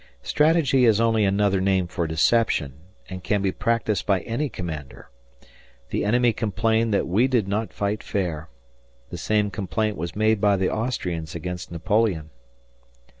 Strategy is only another name for deception and can be practised by any commander. The enemy complained that we did not fight fair; the same complaint was made by the Austrians against Napoleon.